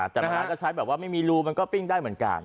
แต่มันก็ใช้แบบว่าไม่มีรูมันก็ปิ้งได้เหมือนกัน